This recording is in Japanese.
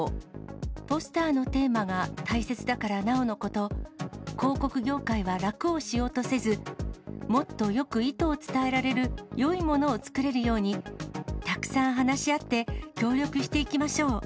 ポスターのテーマが大切だからなおのこと、広告業界は楽をしようとせず、もっとよく意図を伝えられるよいものを作れるように、たくさん話し合って、協力していきましょう。